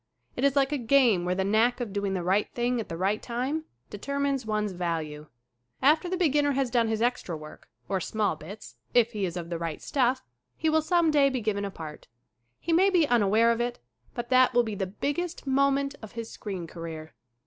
It is like a game where the knack of doing the right thing at the right time determines one's value. After the beginner has done his extra work, or small bits, if he is of the right stuff, he will some day be given a part. He may be unaware of it, but that will be the biggest moment of his screen career.